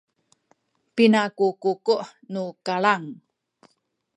pina ku kuku’ nu kalang?